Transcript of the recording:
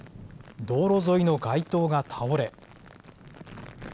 道路沿いの街灯が倒れ。